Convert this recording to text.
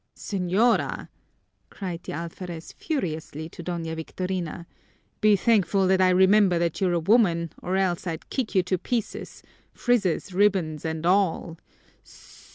"Señora!" cried the alferez furiously to Doña Victorina, "be thankful that I remember that you're a woman or else I'd kick you to pieces frizzes, ribbons, and all!"